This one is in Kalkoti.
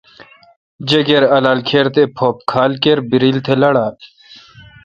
جیکر، الالکر، تھے پھپ کھال کِربرییل تہ لاڑال۔